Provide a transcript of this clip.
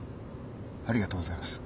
ありがとうございます。